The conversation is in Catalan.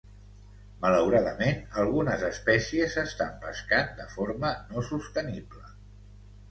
Malauradament algunes espècies s'estan pescant de forma no sostenible.